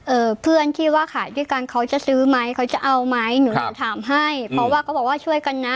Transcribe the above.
เพื่อนที่ว่าขายด้วยกันเขาจะซื้อไหมเขาจะเอาไหมหนูถามให้เพราะว่าเขาบอกว่าช่วยกันนะ